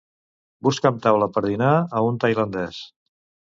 Busca'm taula per dinar a un tailandès.